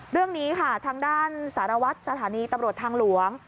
เรื่องนี้ค่ะทางด้านสารวัตรสถานีตำรวจทางหลวง